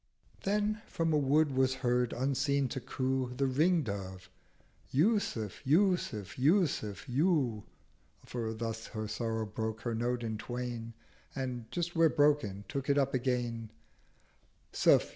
Then from a Wood was heard unseen to coo The Ring dove—'Yúsuf! Yúsuf! Yúsuf! Yú ' (For thus her sorrow broke her Note in twain, And, just where broken, took it up again) ' suf!